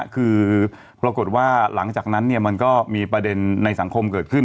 คือปรากฏว่าหลังจากนั้นมันก็มีประเด็นในสังคมเกิดขึ้น